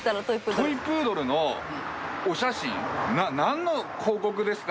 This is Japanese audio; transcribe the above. トイプードルのお写真がなんの広告ですか？